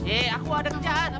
eh aku ada kejahatan